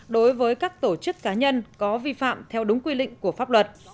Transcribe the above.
đối với các tổ chức cá nhân có vi phạm theo đúng quy định của pháp luật